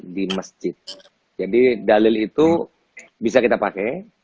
di masjid jadi dalil itu bisa kita pakai